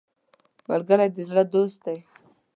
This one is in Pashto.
ملګری د زړه دوست دی